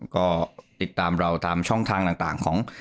ก็ติดตามเราตามช่องทางต่างของ